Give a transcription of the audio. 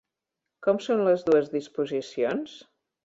Com són les dues disposicions?